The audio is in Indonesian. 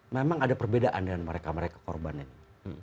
memang ada perbedaan dengan mereka mereka korban ini